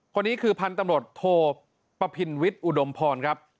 คนนี้คือพันธุ์ตำรวจโทปะพินวิทย์อุดมพรครับ